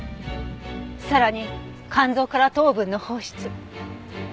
さらに肝臓から糖分の放出。